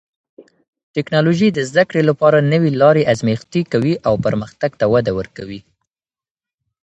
ټکنالوژي د زده کړې لپاره نوې لارې ازمېښتي کوي او پرمختګ ته وده ورکوي.